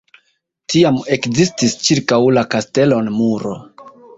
Tiam ekzistis ĉirkaŭ la kastelon muro.